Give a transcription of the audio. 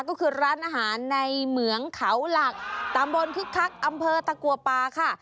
ก็คือร้านอาหารในเหมืองเขาหลักตำบลคึกคักอำเภอตะกัวป่าค่ะ